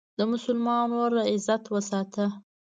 د مسلمان ورور عزت وساته.